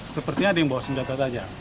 sepertinya ada yang bawa senjata tajam